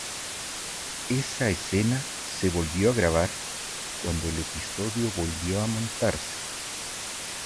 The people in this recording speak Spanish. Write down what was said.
Esa escena se volvió a grabar cuando el episodio volvió a montarse.